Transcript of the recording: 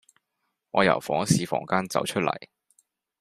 我由考試房間走出嚟